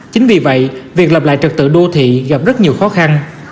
chính vì vậy việc lập lại trật tự đô thị gặp rất nhiều khó khăn